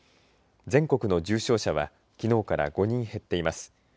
全国の重症者はきのうから５人減っています。